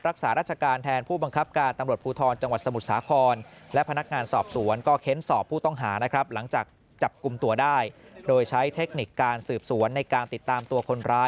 รักษารัชการแทนผู้บังคับการตำรวจภูทรจังหวัดสมุทรสาคร